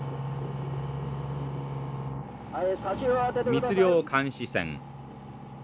密漁監視船。